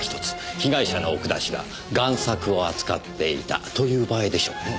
被害者の奥田氏が贋作を扱っていたという場合でしょうね。